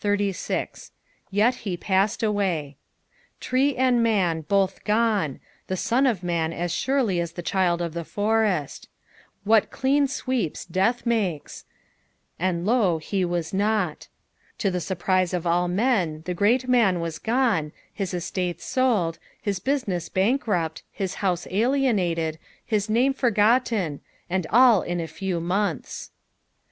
"Yet he paated aaay," Tree and man both gone, the son of man as surely'as the child of the forest What clean sweeps death makes I " And, U>, he wa* ruit." To the surpriae of all men the great man was gone, bis estates sold, his business bankrupt, his house alienated, his name forgotten, and all in a few months.